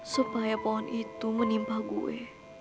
supaya pohon itu menimpa gue